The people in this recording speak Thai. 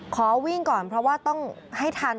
ขอวิ่งก่อนเพราะว่าต้องให้ทัน